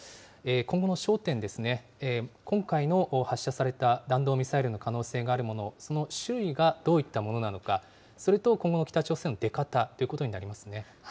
今後の焦点ですね、今回の発射された弾道ミサイルの可能性があるもの、その種類がどういったものなのか、それとこの北朝鮮の出方というこ